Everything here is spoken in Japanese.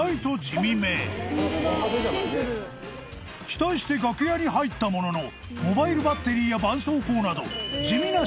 期待して楽屋に入ったもののモバイルバッテリーや絆創膏など